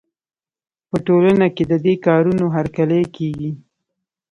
په ټولنه کې د دې کارونو هرکلی کېږي.